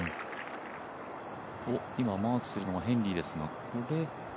今、マークするのはヘンリーですが。